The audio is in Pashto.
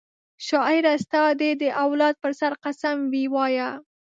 شاعره ستا دي د اولاد په سر قسم وي وایه